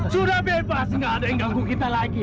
sudah bebas tidak ada yang mengganggu kita lagi